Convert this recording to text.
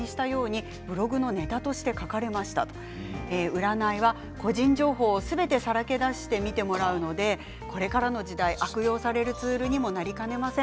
占いは個人情報をすべてさらけ出してみてもらうのでこれからの時代悪用されるツールにもなりかねません。